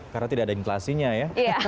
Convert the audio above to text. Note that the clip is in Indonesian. karena tidak ada yang klasinya ya